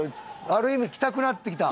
ある意味来たくなってきた。